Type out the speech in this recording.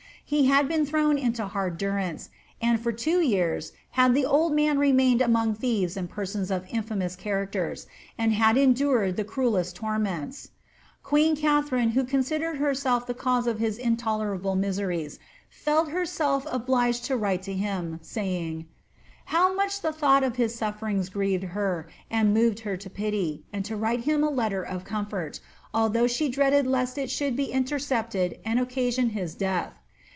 He had been thrown into hard durance, and for two years itad the old man remained among thieves and persons of infamous cha lacters, and had endured the cruelest torments. Queen Katharine, who considered herself the cause of his intolerable miseries, felt herself obliged to write to him, saying ^ how much the thought of his suflferings grieved her and moved her to pity, and to write him a letter of comfort, although she dreaded lest it should be intercepted and occasion his death.'